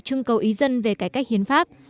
trưng cầu ý dân về cải cách hiến pháp